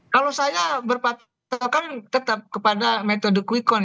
kalau saya berpatahkan tetap kepada metode kuikon